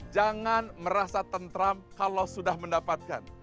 jangan merasa tentram kalau sudah mendapatkan